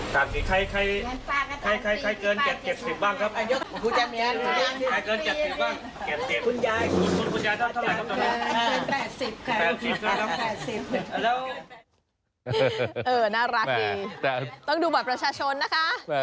แต่ต้องดูบทประชาชนนะคะ